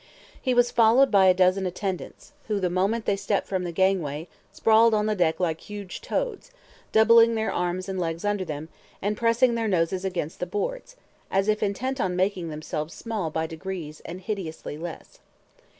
He was followed by a dozen attendants, who, the moment they stepped from the gangway, sprawled on the deck like huge toads, doubling their arms and legs under them, and pressing their noses against the boards, as if intent on making themselves small by degrees and hideously less.